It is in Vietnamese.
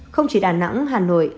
không chỉ đà nẵng hà nội